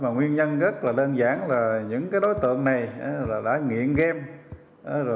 nguyên nhân rất là đơn giản là những đối tượng này đã nghiện game